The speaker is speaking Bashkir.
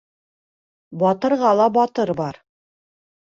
Батырға ла батыр бар.